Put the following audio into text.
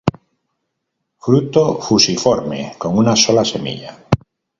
Fruto fusiforme, con una sola semilla.